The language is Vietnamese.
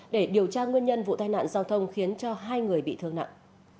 để điều tra nguyên nhân vụ tai nạn giao thông khiến cho hai người bị thương nặng